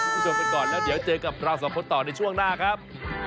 คุณผู้ชมกันก่อนแล้วเดี๋ยวเจอกับเราสองคนต่อในช่วงหน้าครับ